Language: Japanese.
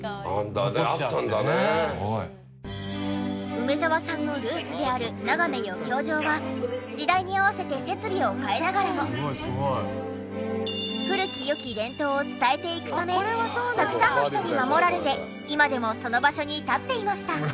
梅沢さんのルーツであるながめ余興場は時代に合わせて設備を変えながらも古き良き伝統を伝えていくためたくさんの人に守られて今でもその場所に立っていました。